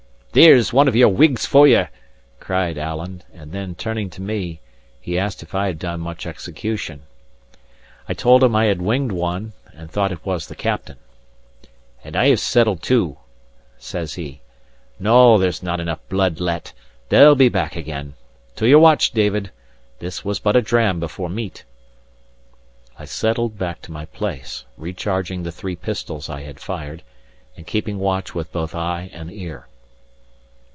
"There's one of your Whigs for ye!" cried Alan; and then turning to me, he asked if I had done much execution. I told him I had winged one, and thought it was the captain. "And I've settled two," says he. "No, there's not enough blood let; they'll be back again. To your watch, David. This was but a dram before meat." I settled back to my place, re charging the three pistols I had fired, and keeping watch with both eye and ear.